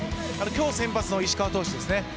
今日先発の石川投手ですね。